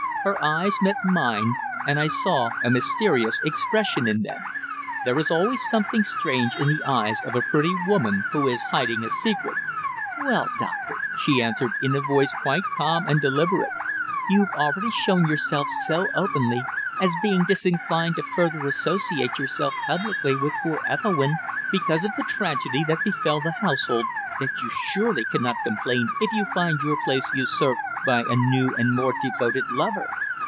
Her eyes met mine, and I saw a mysterious expression in them. There is always something strange in the eyes of a pretty woman who is hiding a secret. "Well, Doctor," she answered, in a voice quite calm and deliberate, "you've already shown yourself so openly as being disinclined to further associate yourself publicly with poor Ethelwynn, because of the tragedy that befell the household, that you surely cannot complain if you find your place usurped by a new and more devoted lover."